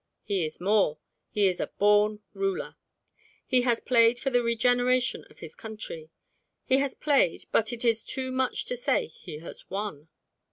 He is more: he is a born ruler. He has played for the regeneration of his country. He has played, but it is too much to say he has won.